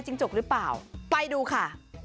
จกหรือเปล่าไปดูค่ะ